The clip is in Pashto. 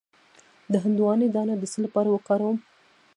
د هندواڼې دانه د څه لپاره وکاروم؟